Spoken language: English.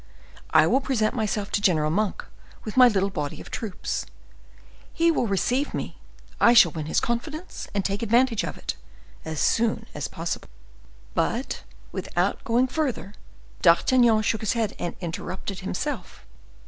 I will present myself to General Monk with my little body of troops. He will receive me. I shall win his confidence, and take advantage of it, as soon as possible." But without going further, D'Artagnan shook his head and interrupted himself.